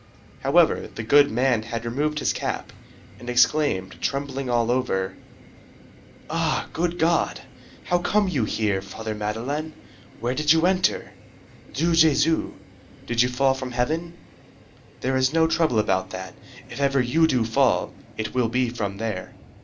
However, the goodman had removed his cap, and exclaimed, trembling all over:— "Ah, good God! How come you here, Father Madeleine? Where did you enter? Dieu Jésus! Did you fall from heaven? There is no trouble about that: if ever you do fall, it will be from there.